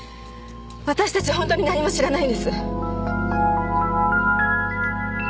私たちは本当に何も知らないんです。